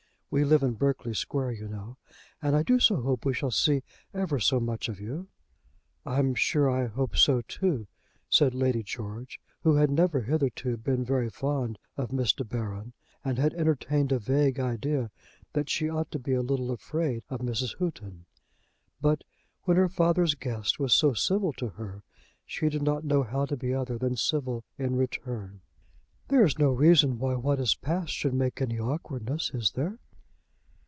We live in Berkeley Square, you know; and I do so hope we shall see ever so much of you." "I'm sure I hope so too," said Lady George, who had never hitherto been very fond of Miss De Baron, and had entertained a vague idea that she ought to be a little afraid of Mrs. Houghton. But when her father's guest was so civil to her she did not know how to be other than civil in return. "There is no reason why what has passed should make any awkwardness; is there?"